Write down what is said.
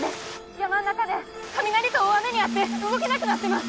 山ん中で雷と大雨に遭って動けなくなってます。